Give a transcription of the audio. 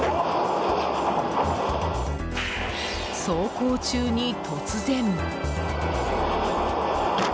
走行中に突然。